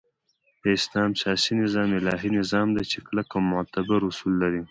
د اسلام سیاسی نظام الهی نظام دی چی کلک او معتبر اصول لری